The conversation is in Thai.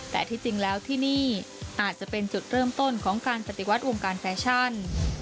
แต่ที่จริงแล้วที่นี่อาจจะเป็นจุดเริ่มต้นของการปฏิวัติวงการแฟชั่น